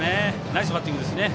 ナイスバッティングですね。